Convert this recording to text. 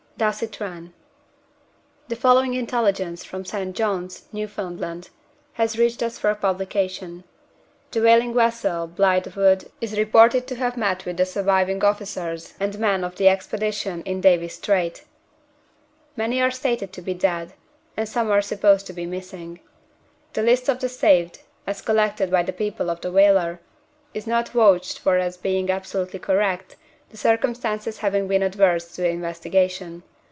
Thus it ran: "The following intelligence, from St. Johns, Newfoundland, has reached us for publication. The whaling vessel Blythewood is reported to have met with the surviving officers and men of the Expedition in Davis Strait. Many are stated to be dead, and some are supposed to be missing. The list of the saved, as collected by the people of the whaler, is not vouched for as being absolutely correct, the circumstances having been adverse to investigation.